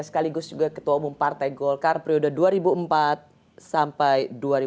sekaligus juga ketua umum partai golkar periode dua ribu empat sampai dua ribu dua puluh